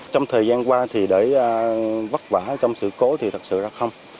trong thời gian qua thì đợi vất vả trong sự cố thì thật sự là không